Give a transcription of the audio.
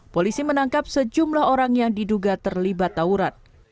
polisi menangkap sejumlah orang yang diduga terlibat tauran